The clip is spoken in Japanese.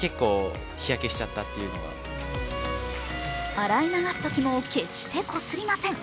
洗い流すときも決してこすりません。